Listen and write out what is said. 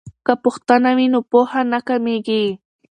که پوښتنه وي نو پوهه نه کمیږي.